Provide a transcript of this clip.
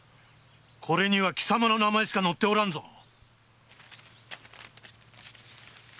これには貴様の名前しか載っておらんぞ！